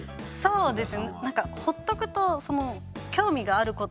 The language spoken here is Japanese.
そうです。